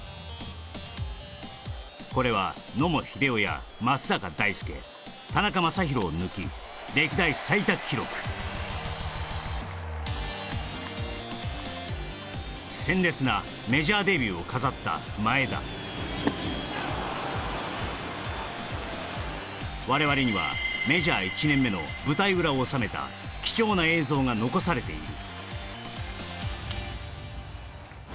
これは野茂英雄や松坂大輔田中将大を抜き鮮烈なメジャーデビューを飾った前田我々にはメジャー１年目の舞台裏を収めた貴重な映像が残されている